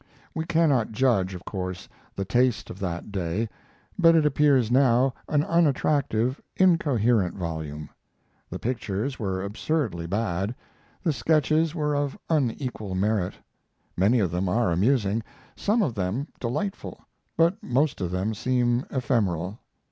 We cannot judge, of course, the taste of that day, but it appears now an unattractive, incoherent volume. The pictures were absurdly bad, the sketches were of unequal merit. Many of them are amusing, some of them delightful, but most of them seem ephemeral.